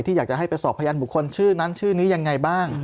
อยากจะให้ไปสอบพยานบุคคลชื่อนั้นชื่อนี้ยังไงบ้าง